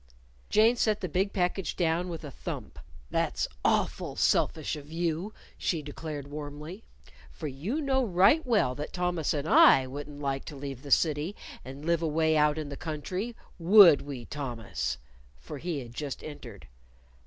Jane set the big package down with a thump. "That's awful selfish of you," she declared warmly. "For you know right well that Thomas and I wouldn't like to leave the city and live away out in the country. Would we, Thomas?" for he had just entered.